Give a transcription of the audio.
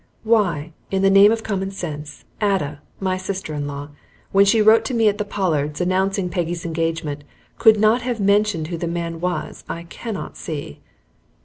Why, in the name of common sense, Ada, my sister in law, when she wrote to me at the Pollards', announcing Peggy's engagement, could not have mentioned who the man was, I cannot see.